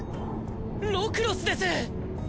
ロクロスです！